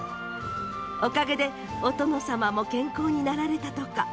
おかげでお殿様も健康になられたとか。